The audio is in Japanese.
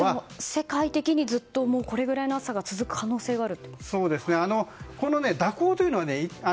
世界的にずっとこのぐらいの暑さが続く可能性がある？